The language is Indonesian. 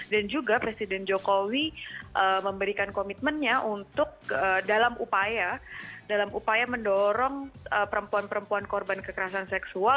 dan juga presiden jokowi memberikan komitmennya untuk dalam upaya mendorong perempuan perempuan korban kekerasan seksual